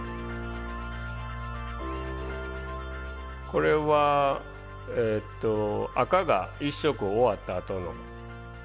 これは赤が１色終わったあとの見た目ですね。